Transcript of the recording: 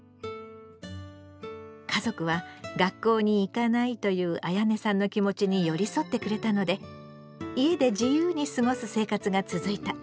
家族は「学校に行かない」というあやねさんの気持ちに寄り添ってくれたので家で自由に過ごす生活が続いた。